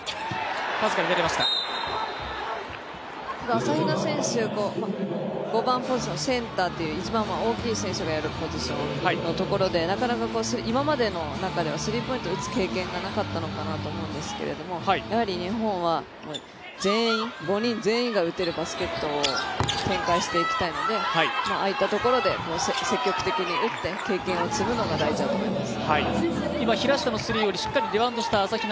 朝比奈選手５番ポジションセンターという、一番大きい選手がやるポジションのところでなかなか今までの中ではスリーポイントを打つ経験がなかったのかなと思うんですがやはり日本は５人全員が打てるバスケットを展開していきたいので、ああいったところで積極的に打って経験を積むのが大事だと思います。